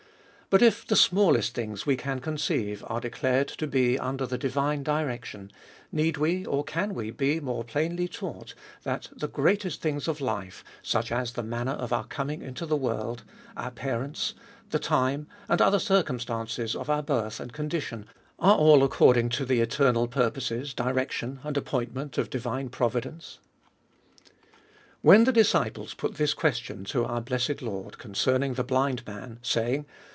But if the smallest things we can conceive are declared to be under the divine direction, need we, or can we be more plainly taught, that the greatest things of life, such as the manner of our coming into the world, our parents, the timej and other circumstances of our birth and condi S20 A SERIOUS CALL TO A tion^ are all according to the eternal purposes^ directioit, and appointment of divine Providence? When the disciples put this question to our blessed Lord^ concerning the biiiid maii^ saying.